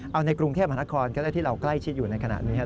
เอาในกรุงเทพธรรมนครก็ได้ที่เรากล้ายชิดอยู่ในขณะนี้